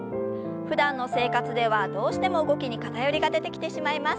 ふだんの生活ではどうしても動きに偏りが出てきてしまいます。